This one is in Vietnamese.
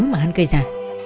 mà hắn gây ra